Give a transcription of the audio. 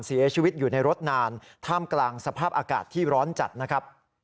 เสียชีวิตอยู่ในรถนานท่ามกลางสภาพอากาศที่ร้อนจัดนะครับ